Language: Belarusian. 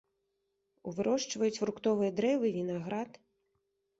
У вырошчваюць фруктовыя дрэвы, вінаград.